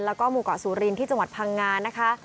แล้วก็หมู่เกาะสุรินที่จังหวัดพังงานะคะ